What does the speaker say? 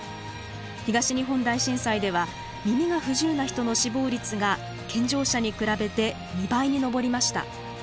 東日本大震災では耳が不自由な人の死亡率が健常者に比べて２倍に上りました。